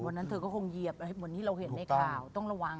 วันนั้นเธอก็คงเหยียบเหมือนที่เราเห็นในข่าวต้องระวัง